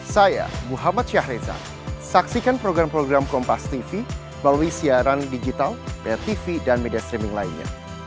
saya muhammad syahriza saksikan program program kompas tv melalui siaran digital tv dan media streaming lainnya